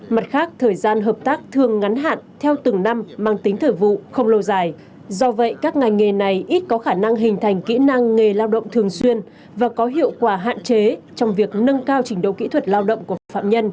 mặt khác thời gian hợp tác thường ngắn hạn theo từng năm mang tính thời vụ không lâu dài do vậy các ngành nghề này ít có khả năng hình thành kỹ năng nghề lao động thường xuyên và có hiệu quả hạn chế trong việc nâng cao trình độ kỹ thuật lao động của phạm nhân